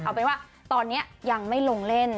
เอาเป็นว่าตอนนี้ยังไม่ลงเล่น